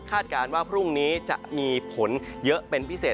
การว่าพรุ่งนี้จะมีผลเยอะเป็นพิเศษ